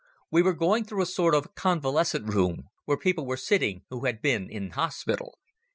We were going through a sort of convalescent room, where people were sitting who had been in hospital.